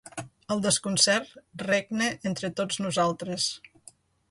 El desconcert regna entre tots nosaltres.